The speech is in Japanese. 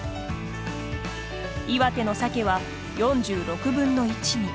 岩手のサケは４６分の１に。